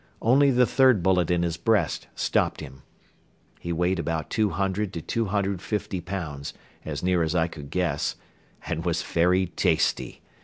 Only the third bullet in his breast stopped him. He weighed about two hundred to two hundred fifty pounds, as near as I could guess, and was very tasty.